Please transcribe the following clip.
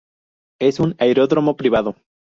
Es un aeródromo privado.